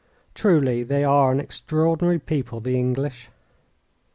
Truly, they are an extraordinary people, the English!